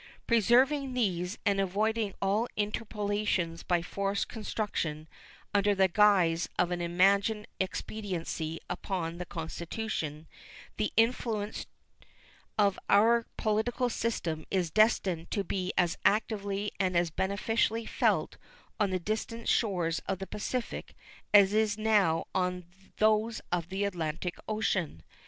Preserving these and avoiding all interpolations by forced construction under the guise of an imagined expediency upon the Constitution, the influence of our political system is destined to be as actively and as beneficially felt on the distant shores of the Pacific as it is now on those of the Atlantic Ocean.